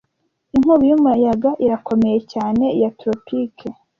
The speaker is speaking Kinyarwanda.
Inkubi y'umuyaga irakomeye cyane ya tropique